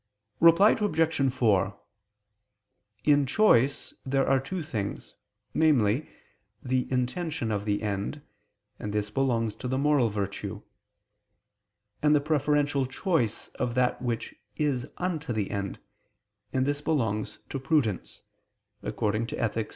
Reply Obj. 4: In choice there are two things, namely, the intention of the end, and this belongs to the moral virtue; and the preferential choice of that which is unto the end, and this belongs to prudence (Ethic.